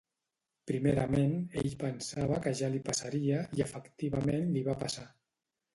Primerament ell pensava que ja li passaria i efectivament li va passar.